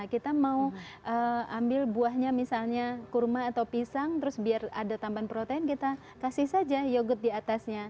kita mau ambil buahnya misalnya kurma atau pisang terus biar ada tambahan protein kita kasih saja yogurt di atasnya